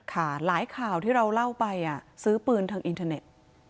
หลายข่าวที่เราเล่าไปซื้อปืนทางอินเทอร์เน็ต